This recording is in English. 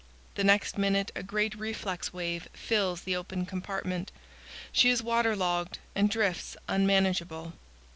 The next minute a great reflex wave fills the open compartment; she is water logged, and drifts unmanageable.